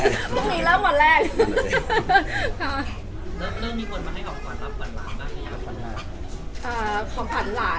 คงนี้เริ่มวันแรก